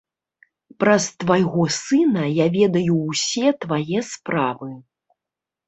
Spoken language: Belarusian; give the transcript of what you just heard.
Праз твайго сына я ведаю ўсе твае справы.